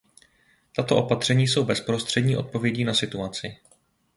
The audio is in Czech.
Tato opatření jsou bezprostřední odpovědí na situaci.